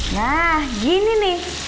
nah gini nih